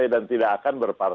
ini adalah keuntungan